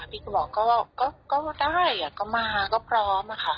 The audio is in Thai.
พี่ก็บอกก็ได้ก็มาก็พร้อมค่ะ